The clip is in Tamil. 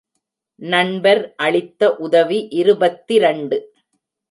நண்பர் அளித்த உதவி இருபத்திரண்டு.